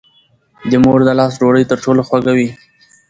د مور د لاس ډوډۍ تر ټولو خوږه وي.